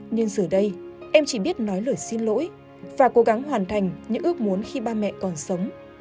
nhưng giờ đây em chỉ biết nói lời xin lỗi và cố gắng hoàn thành những ước muốn khi ba mẹ còn sống